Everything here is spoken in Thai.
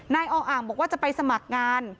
อ่างบอกว่าจะไปสมัครงาน